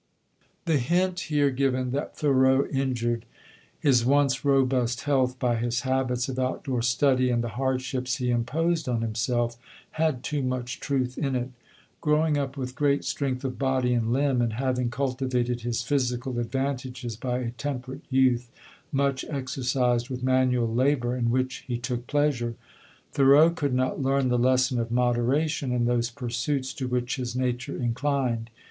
The hint here given that Thoreau injured his once robust health by his habits of out door study and the hardships he imposed on himself, had too much truth in it. Growing up with great strength of body and limb, and having cultivated his physical advantages by a temperate youth much exercised with manual labor, in which he took pleasure, Thoreau could not learn the lesson of moderation in those pursuits to which his nature inclined.